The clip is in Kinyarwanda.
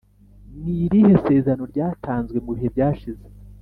Ni irihe sezerano ryatanzwe mu bihe byashize